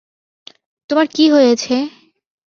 তোমার কী হয়েছে!